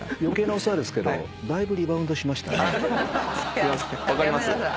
すみません分かります？